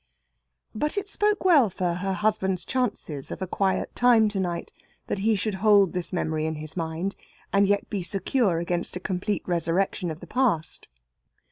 But it spoke well for her husband's chances of a quiet time to night that he should hold this memory in his mind, and yet be secure against a complete resurrection of the past.